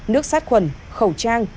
nước sát khuẩn khẩu trang